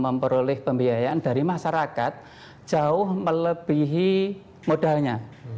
memperoleh pembiayaan dari masyarakat jauh melebihi modalnya